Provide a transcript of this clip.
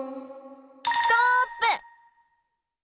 ストップ！